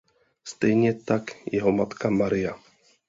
Stejně tak jeho matka Maria.